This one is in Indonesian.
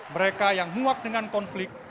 mereka yang muak dengan konflik